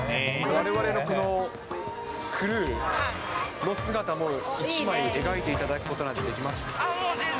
われわれのこのクルーの姿も１枚描いていただくことなんてできます？